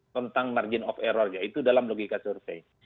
tentang margin of error yaitu dalam logika survei